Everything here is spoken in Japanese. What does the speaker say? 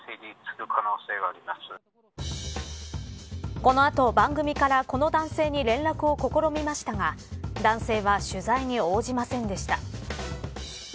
この後、番組からこの男性に連絡を試みましたが男性は取材に応じませんでした。